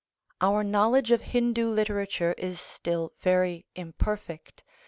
Our knowledge of Hindu literature is still very imperfect.